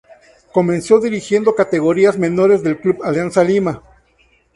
Comenzó Dirigiendo Categorías Menores del Club Alianza Lima.